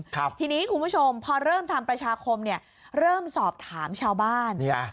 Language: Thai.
ทีนี้คุณผู้ชมพอเริ่มทำประชาคมเริ่มสอบถามชาวบ้าน